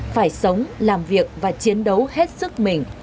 phải sống làm việc và chiến đấu hết sức mình